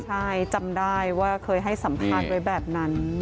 ใช่จำได้ว่าเคยให้สัมภาษณ์ไว้แบบนั้น